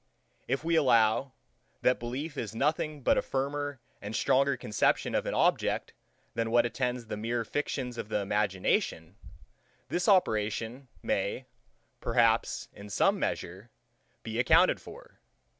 If we allow, that belief is nothing but a firmer and stronger conception of an object than what attends the mere fictions of the imagination, this operation may, perhaps, in some measure, be accounted for.